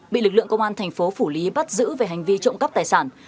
bị lực lượng công an tp phủ lý bắt giữ về hành vi trộm cắt tài sản